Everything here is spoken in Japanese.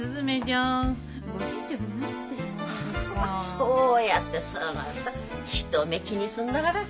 そうやってすぐ人目気にすんだから。